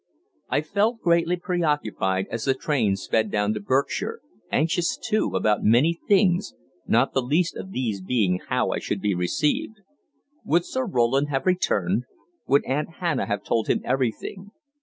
I felt greatly preoccupied as the train sped down to Berkshire anxious, too, about many things, not the least of these being how I should be received. Would Sir Roland have returned? Would Aunt Hannah have told him everything?